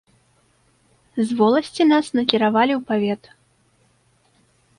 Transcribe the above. З воласці нас накіравалі ў павет.